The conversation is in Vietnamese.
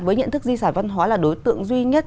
với nhận thức di sản văn hóa là đối tượng duy nhất